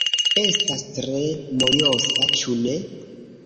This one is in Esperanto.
Estas tre mojosa, ĉu ne?